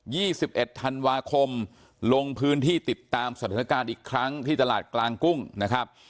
ี่สิบเอ็ดธันวาคมลงพื้นที่ติดตามสถานการณ์อีกครั้งที่ตลาดกลางกุ้งนะครับ